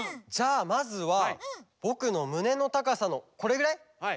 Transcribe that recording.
じゃあまずはぼくのむねのたかさのこれぐらい？